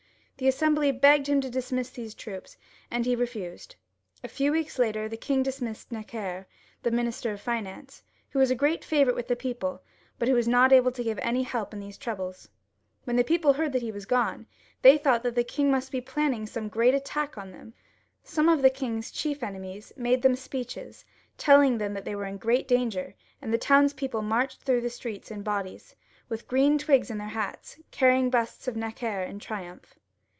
The Assembly begged him to dismiss these troops, and he re fused. A few weeks after, the king dismissed Necker, the Minister of Finance, who was a great favourite with the people, but who was not able to give any help in these troubles. When the people heard that he was gone, they thought that the king must be planning some great attack upon them. Some of the king's chief enemies made them speeches, telling them they were in great danger, and the townspeople marched through the streets in bodies, with green boughs in their hats, carrying busts of Necker in triumph.